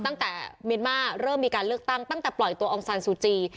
เมียนมาร์เริ่มมีการเลือกตั้งตั้งแต่ปล่อยตัวองซานซูจี